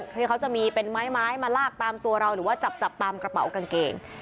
ที่เขาจะมีเป็นไม้มาลากตามตัวเราหรือว่าจับตามกระเป๋ากางเกง